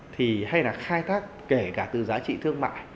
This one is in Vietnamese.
thì hay là khai thác kể cả từ giá trị thương mại